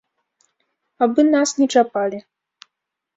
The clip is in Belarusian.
Абы нас не чапалі.